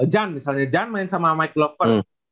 jan misalnya jan main sama mike glover